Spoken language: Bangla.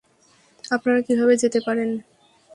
আপনারা কিভাবে যেতে পারেন?